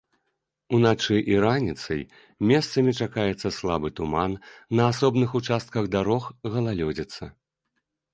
Уначы і раніцай месцамі чакаецца слабы туман, на асобных участках дарог галалёдзіца.